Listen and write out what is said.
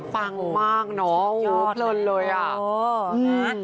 ฟังมากนะโหเป็นเลยอะ